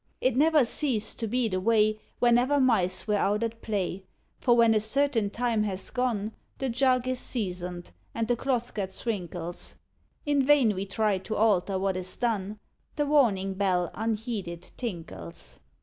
It never ceased to be the way Whenever mice were out at play; For when a certain time has gone, The jug is seasoned; and the cloth gets wrinkles. In vain we try to alter what is done, The warning bell unheeded tinkles.